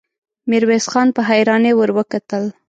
ميرويس خان په حيرانۍ ور وکتل.